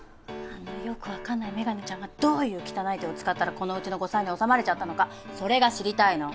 あのよくわかんないメガネちゃんがどういう汚い手を使ったらこのうちの後妻に納まれちゃったのかそれが知りたいの。